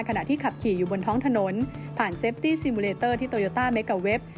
ขณะที่ขับขี่อยู่บนท้องถนนผ่านเซฟตี้ซีมูเลเตอร์ที่โตโยต้าเมกาเว็บ